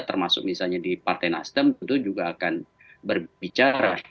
termasuk misalnya di partai nasdem tentu juga akan berbicara